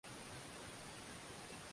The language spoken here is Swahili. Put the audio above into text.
Gari limebeba mizigo.